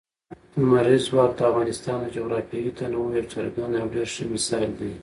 لمریز ځواک د افغانستان د جغرافیوي تنوع یو څرګند او ډېر ښه مثال دی.